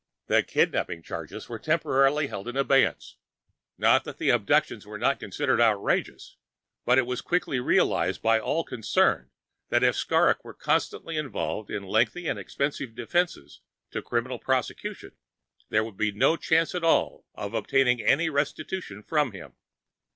The kidnapping charges were temporarily held in abeyance. Not that the abductions were not considered outrageous, but it was quickly realized by all concerned that if Skrrgck were constantly involved in lengthy and expensive defenses to criminal prosecutions, there would be no chance at all of obtaining any restitution from him.